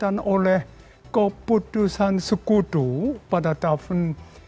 dan oleh keputusan sekutu pada tahun seribu sembilan ratus empat puluh lima